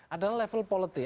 adalah level politik